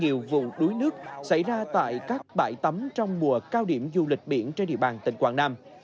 nhiều vụ đuối nước xảy ra tại các bãi tắm trong mùa cao điểm du lịch biển trên địa bàn tỉnh quảng nam